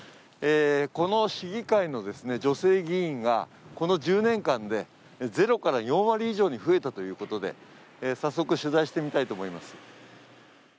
この市議会の女性議員がこの１０年間で０から４割以上に増えたということで、早速取材してみたいと思います。